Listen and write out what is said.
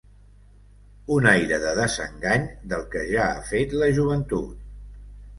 Un aire de desengany del que ja ha fet la joventut